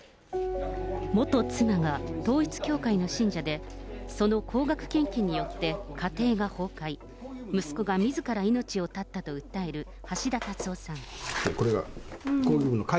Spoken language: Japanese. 元妻が、統一教会の信者で、その高額献金によって、家庭が崩壊、息子がみずから命を絶ったと訴える橋田達夫さん。